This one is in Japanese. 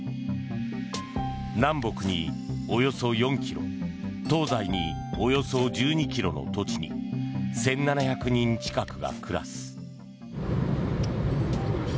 南北におよそ４ｋｍ東西におよそ１２ｋｍの土地に１７００人近くが暮らす。